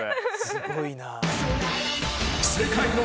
すごいな。